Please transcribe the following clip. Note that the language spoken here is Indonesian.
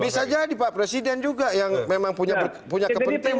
bisa jadi pak presiden juga yang memang punya kepentingan